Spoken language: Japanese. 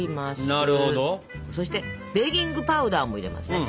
そしてベーキングパウダーも入れますね。